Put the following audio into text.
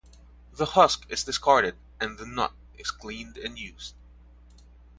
The husk is discarded and the nut is cleaned and used.